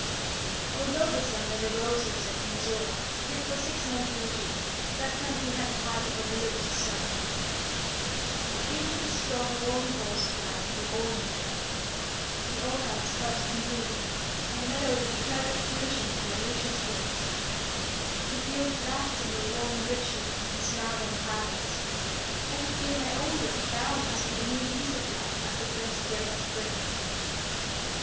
Although the sun never rose or set in Mizora, yet for six months in a year, that country had the heart of a voluptuous summer. It beat with a strong, warm pulse of life through all nature. The orchards budded and bloomed, and mellowed into perfect fruition their luscious globes. The fields laughed in the warm, rich light, and smiled on the harvest. I could feel my own blood bound as with a new lease of life at the first breath of spring.